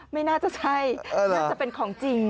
ไม่น่าจะใช่น่าจะเป็นของจริง